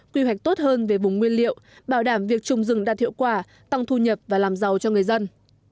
quy hoạch tốt hơn về vùng nguyên liệu bảo đảm việc trồng rừng đạt hiệu quả tăng thu nhập và làm giàu cho người dân